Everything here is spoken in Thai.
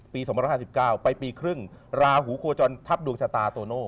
ปี๒๕๙ไปปีครึ่งราหูโคจรทับดวงชะตาโตโน่